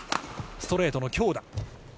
ストレートの強打。